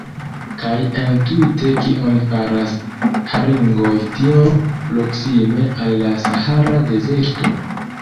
Kaj entute kion faras haringoj tiom proksime al la Sahara dezerto?